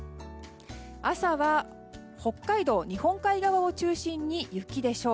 朝は北海道日本海側を中心に雪でしょう。